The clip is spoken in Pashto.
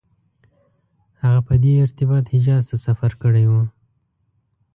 هغه په دې ارتباط حجاز ته سفر کړی و.